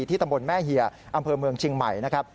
ตำบลแม่เฮียอำเภอเมืองเชียงใหม่นะครับ